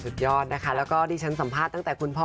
สุดยอดนะคะแล้วก็ดิฉันสัมภาษณ์ตั้งแต่คุณพ่อ